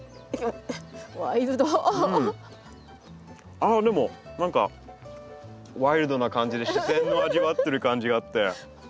ああでも何かワイルドな感じで自然を味わってる感じがあって。